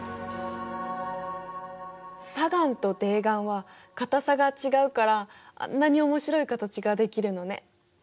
砂岩と泥岩は硬さが違うからあんなに面白い形ができるのね。